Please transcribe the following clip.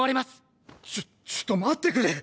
ちょっちょっと待ってくれ。